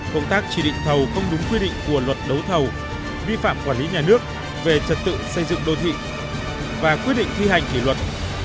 công tác chỉ định thầu không đúng quy định của luật đấu thầu vi phạm quản lý nhà nước về trật tự xây dựng đô thị và quyết định thi hành kỷ luật